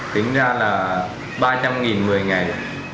tính ra là ba trăm linh một mươi ngày